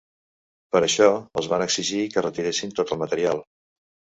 Per això, els van exigir que retiressin tot el material.